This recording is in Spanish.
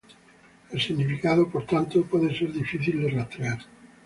El significado, por tanto, puede ser difícil de rastrear.